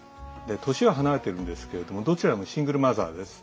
年は離れてるんですけれどもどちらもシングルマザーです。